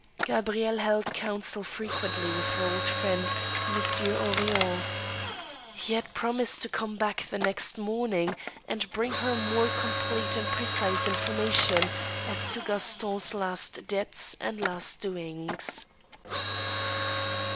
Gabrielle held counsel frequently with her old friend Monsieur Henrion. He had promised to come back the next morning and bring .her'more complete and precise information as to Gaston's last debts and last doings.